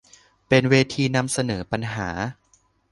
เป็นเวทีนำเสนอปัญหา